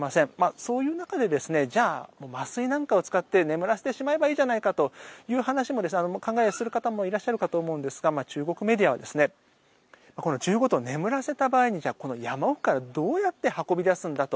そういう中でじゃあ麻酔なんかを使って眠らせてしまえばいいじゃないかという話を考えをする方もいらっしゃるかと思いますが中国メディアは１５頭を眠らせた場合に山からどう運び出すのかと。